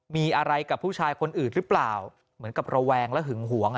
มีอะไรกับผู้ชายคนอื่นหรือเปล่าเหมือนกับระแวงและหึงหวง